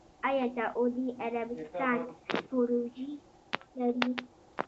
آیا سعودي عربستان پروژې لري؟